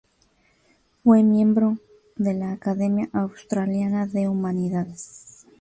Fue miembro de la Academia Australiana de Humanidades.